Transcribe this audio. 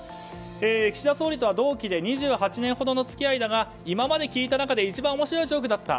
岸田総理とは同期で２８年ほどの付き合いだが今まで聞いた中で一番面白いジョークだった。